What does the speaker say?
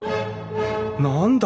何だ？